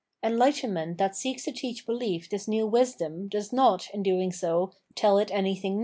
Enlightenment that seeks to teach belief this new wisdom does not, in doiag so, tell it anjrthing new.